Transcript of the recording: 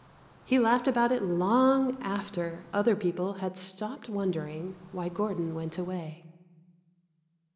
He laughed about it long after other people had stopped wondering why Gordon went away.